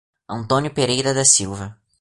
Antônio Pereira da Silva